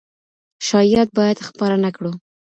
شايعات بايد خپاره نه کړو.